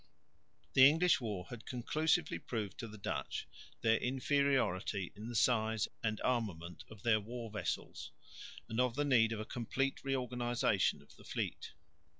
The English war had conclusively proved to the Dutch their inferiority in the size and armament of their war vessels, and of the need of a complete reorganisation of the fleet.